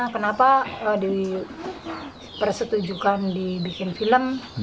kenapa di persetujukan dibikin film